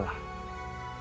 dengan sabar dan sholat